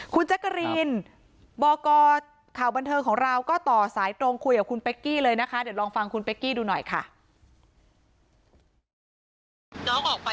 คุณจักรีนบกข่าวบันเทิงของเราก็ต่อสายตรงคุยกับคุณเป๊กกี้เลยนะคะ